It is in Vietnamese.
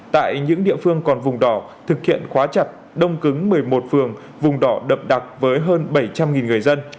tại những địa phương còn vùng đỏ thực hiện khóa chặt đông cứng một mươi một phường vùng đỏ đậm đặc với hơn bảy trăm linh người dân